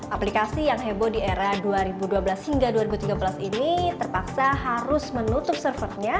aplikasi yang heboh di era dua ribu dua belas hingga dua ribu tiga belas ini terpaksa harus menutup servernya